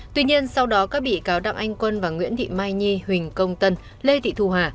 tuy nhiên sau đó các bị cáo đặng anh quân và nguyễn thị mai nhi huỳnh công tân lê thị thu hà